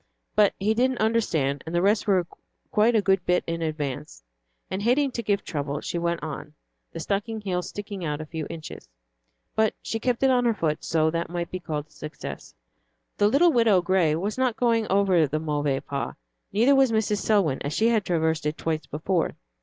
But he didn't understand, and the rest were quite a good bit in advance, and hating to give trouble, she went on, the stocking heel sticking out a few inches. But she kept it on her foot, so that might be called a success. The little Widow Gray was not going over the Mauvais Pas, neither was Mrs. Selwyn, as she had traversed it twice before.